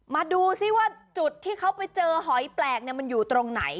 มาดูซิว่าจุดที่เขาไปเจอหอยแปลกมันอยู่ตรงไหน